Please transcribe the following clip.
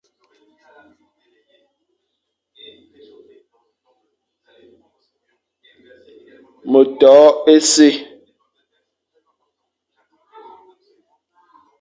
Me to e si,